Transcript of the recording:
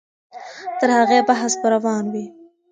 تر هغې بحث به روان وي.